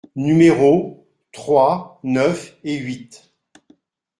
Numéros trois, neuf et huit.